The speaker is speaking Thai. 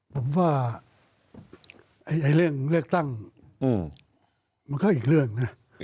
ผมว่าเรื่องเลือกตั้งมันก็อีกเรื่องนะ